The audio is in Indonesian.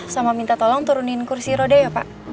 sama minta tolong turunin kursi roda ya pak